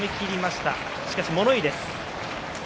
しかし物言いです。